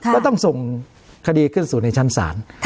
ก็ต้องส่งคดีขึ้นสู่ในชั้นศาล